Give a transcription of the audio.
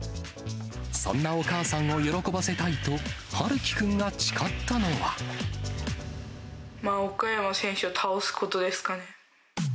そんなお母さんを喜ばせたい岡山選手を倒すことですかね。